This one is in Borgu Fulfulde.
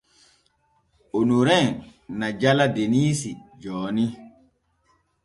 Onomrin na jala Denisi jooni.